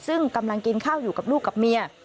ซึ่งกำลังกินข้าวอยู่กับลูกกับเมีย